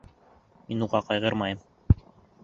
Мин уға ҡайғырмайым.